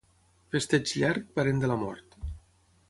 Festeig llarg, parent de la mort.